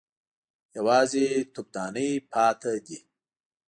_يوازې تفدانۍ پاتې دي.